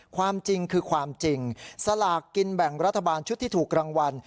ความจริงคือความจริงสลากกินแบ่งรัฐบาลชุดที่ถูกรางวัล